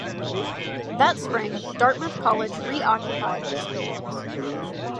That spring, Dartmouth College reoccupied its buildings.